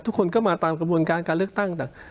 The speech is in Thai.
ทุกคนก็มาตามกระบวนการการเลือกตั้งแต่